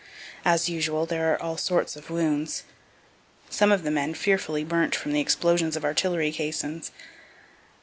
As usual, there are all sorts of wounds. Some of the men fearfully burnt from the explosions of artillery caissons.